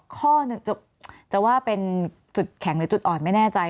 ข้อหนึ่งจะว่าเป็นจุดแข็งหรือจุดอ่อนไม่แน่ใจ